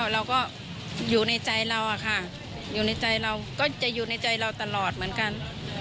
เราก็อยู่ในใจเราอะค่ะอยู่ในใจเราก็จะอยู่ในใจเราตลอดเหมือนกัน